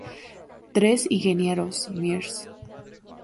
Tres ingenieros, Mr.